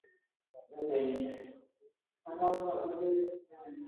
ha petỹpoguasu ijurúpe opita timbo